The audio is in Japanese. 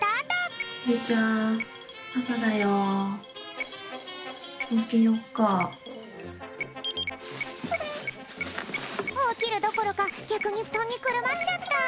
おきるどころかぎゃくにふとんにくるまっちゃった。